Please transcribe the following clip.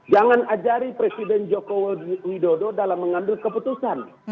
jangan ajari presiden joko widodo dalam mengambil keputusan